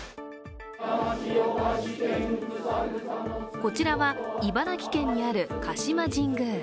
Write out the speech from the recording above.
こちらは茨城県にある鹿島神宮。